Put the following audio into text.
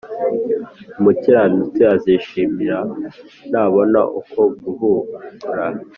Umukiranutsi azishima nabona uko guhura